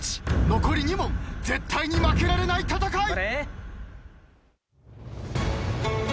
残り２問絶対に負けられない戦い。